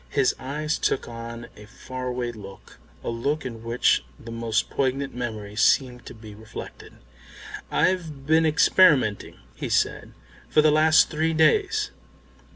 His eyes took on a faraway look, a look in which the most poignant memories seem to be reflected. "I've been experimenting," he said, "for the last three days."